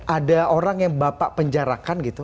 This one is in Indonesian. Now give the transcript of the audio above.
ada orang yang bapak penjarakan gitu